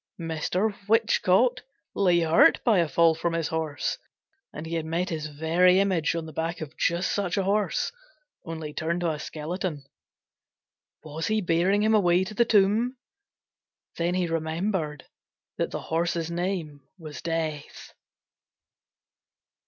Mr. Whichcote lay hurt by a fall from his horse, and he had met his very image on the back of just such a horse, only turned to a skeleton! Was he bearing him away to the tomb? Then he remembered that the horse's name was Death.